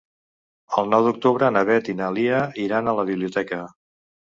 El nou d'octubre na Beth i na Lia iran a la biblioteca.